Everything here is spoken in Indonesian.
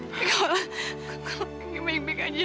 tapi kalau lagi baik baik aja